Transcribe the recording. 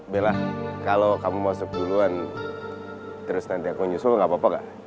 bella kalau kamu mau sepuluhan terus nanti aku nyusul gak apa apa gak